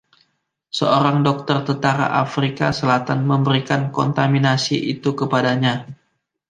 Seorang dokter Tentara Afrika Selatan memberikan kontaminasi itu kepadanya.